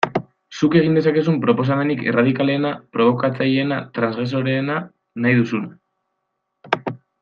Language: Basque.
Zuk egin dezakezu proposamenik erradikalena, probokatzaileena, transgresoreena, nahi duzuna...